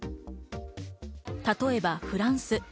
例えばフランス。